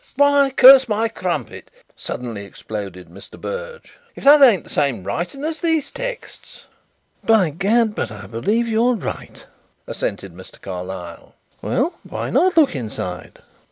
"Why, curse my crumpet," suddenly exploded Mr. Berge, "if that ain't the same writing as these texts!" "By gad, but I believe you are right," assented Mr. Carlyle. "Well, why not look inside?"